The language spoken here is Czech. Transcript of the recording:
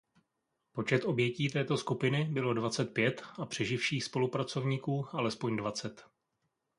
Počet obětí této skupiny bylo dvacet pět a přeživších spolupracovníků alespoň dvacet.